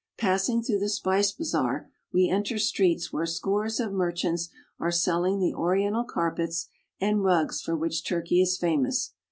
Passing through the spice bazaar, we enter streets where scores of merchants are selling the oriental carpets and rugs for which Turkey is famous.